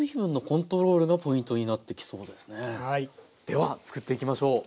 ではつくっていきましょう。